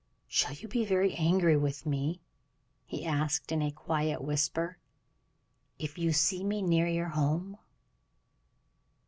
"Shall you be very angry with me," he asked, in a quiet whisper, "if you see me near your home."